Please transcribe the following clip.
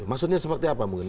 maksudnya seperti apa mungkin